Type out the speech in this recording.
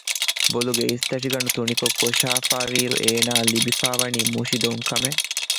ބޮލުގެ އިސްތަށިގަނޑު ތުނިކޮށް ކޮށާފައިވީއިރު އޭނާއަށް ލިބިފައިވަނީ މުށި ދޮންކަމެއް